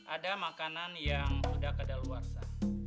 ada makanan yang sudah kadaluarsa